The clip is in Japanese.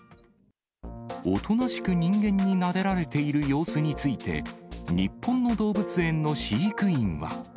おとなしく人間になでられている様子について、日本の動物園の飼育員は。